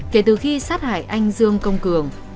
kể từ khi sát hại anh dương công cường